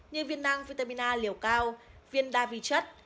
như viên năng vitamin a liều cao viên đa vi chất